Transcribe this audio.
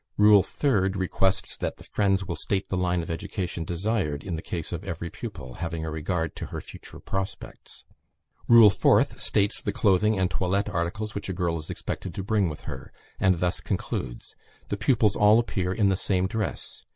Rule 3rd requests that the friends will state the line of education desired in the case of every pupil, having a regard to her future prospects. Rule 4th states the clothing and toilette articles which a girl is expected to bring with her; and thus concludes: "The pupils all appear in the same dress.